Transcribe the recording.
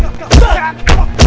aku sudah angker